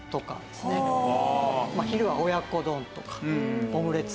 昼は親子丼とかオムレツ。